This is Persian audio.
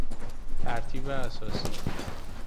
ترتیب اساسی